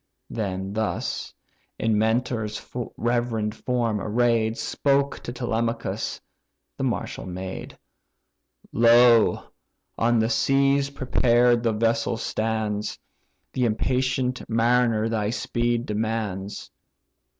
Then thus, in Mentor's reverend form array'd, Spoke to Telemachus the martial maid. "Lo! on the seas, prepared the vessel stands, The impatient mariner thy speed demands."